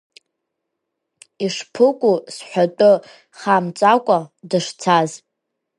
Ишԥыкәу сҳәатәы хамҵакәа дышцаз?